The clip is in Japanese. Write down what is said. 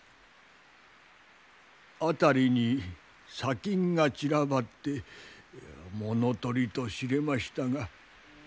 辺りに砂金が散らばって物取りと知れましたが。